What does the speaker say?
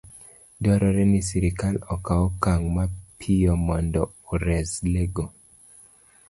Dwarore ni sirkal okaw okang' mapiyo mondo ores le go